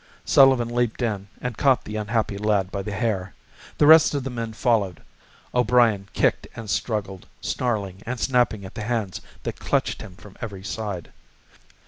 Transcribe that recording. Sullivan leaped in and caught the unhappy lad by the hair. The rest of the men followed, O'Brien kicked and struggled, snarling and snapping at the hands that clutched him from every side.